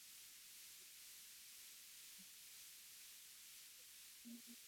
Chanzo cha habari hii ni gazeti la “The East African”